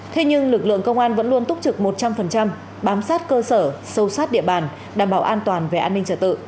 thế nhưng lực lượng công an vẫn luôn túc trực một trăm linh bám sát cơ sở sâu sát địa bàn đảm bảo an toàn về an ninh trật tự